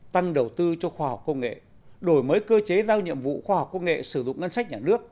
tăng đầu tư cho khoa học công nghệ đổi mới cơ chế giao nhiệm vụ khoa học công nghệ sử dụng ngân sách nhà nước